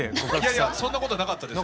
いやいやそんなことなかったです。